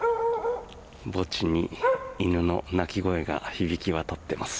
墓地に犬の鳴き声が響き渡ってます。